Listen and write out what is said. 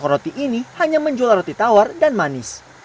roti ini hanya menjual roti tawar dan manis